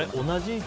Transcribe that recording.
同じ？